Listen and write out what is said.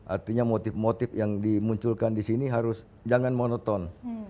artinya motif motif yang dimunculkan di sini harus jangan monoton